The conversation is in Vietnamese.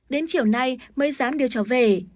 đến chiều nay mới dám đưa cháu về